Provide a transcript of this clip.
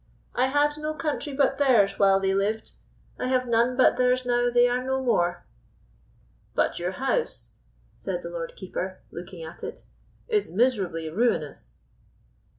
I had no country but theirs while they lived; I have none but theirs now they are no more." "But your house," said the Lord Keeper, looking at it, "is miserably ruinous?"